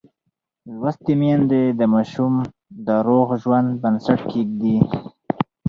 لوستې میندې د ماشوم د روغ ژوند بنسټ ږدي.